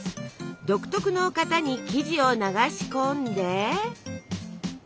独特の型に生地を流し込んで。